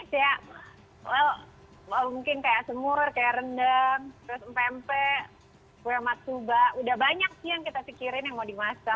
ya well mungkin kayak semur kayak rendang terus mpmp kue matuba udah banyak sih yang kita pikirin yang mau dimasak